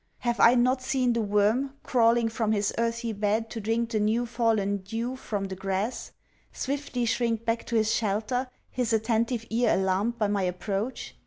Have I not seen the worm, crawling from his earthy bed to drink the new fallen dew from the grass, swiftly shrink back to his shelter, his attentive ear alarmed by my approach?